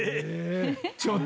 ちょっと！